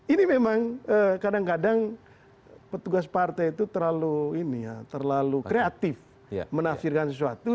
ini memang kadang kadang petugas partai itu terlalu kreatif menafsirkan sesuatu